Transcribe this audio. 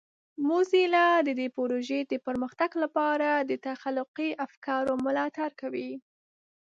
موزیلا د دې پروژې د پرمختګ لپاره د تخلیقي افکارو ملاتړ کوي.